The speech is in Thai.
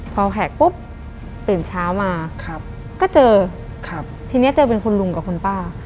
พอแหกปุ๊บตื่นเช้ามาก็เจอครับทีนี้เจอเป็นคุณลุงกับคุณป้า